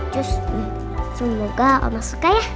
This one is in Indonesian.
cus semoga oma suka ya